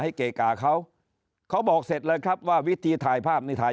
เกกาเขาเขาบอกเสร็จเลยครับว่าวิธีถ่ายภาพนี่ถ่าย